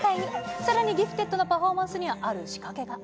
さらにギフテッドのパフォーマンスにはある仕掛けが。